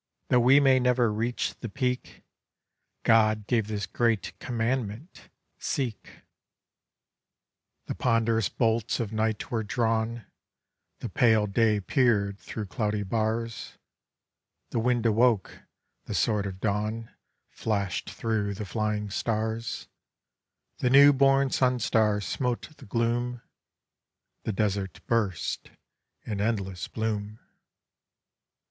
Tho' we may never reach the Peak, God gave this great commandment, Seek.' ..... The ponderous bolts of Night were drawn; The pale Day peer'd thro' cloudy bars; The Wind awoke; the sword of Dawn Flasht thro' the flying Stars; The new born Sun Star smote the Gloom: The Desert burst in endless Bloom.